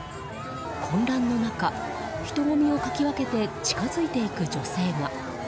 混乱の中、人混みをかき分けて近づいていく女性が。